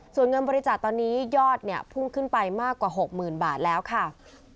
ส่วนเงินบริจาตรตอนนี้ยอดพุ่งขึ้นไปมากกว่า๖หมื่นบาทแล้วค่ะ